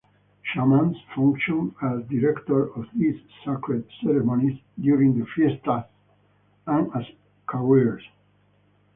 Shamans function as directors of these sacred ceremonies during the fiestas and as curers.